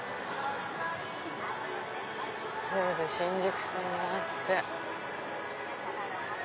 西武新宿線があって。